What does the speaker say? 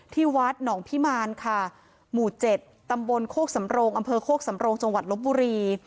ที่วัดหนองพิมารค่ะหมู่๗ตำบลโคกสำโรงอำเภอโคกสำโรงจังหวัดลบบุรี